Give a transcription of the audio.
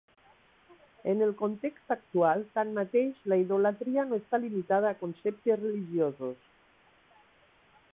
En el context actual, tanmateix, la idolatria no està limitada a conceptes religiosos.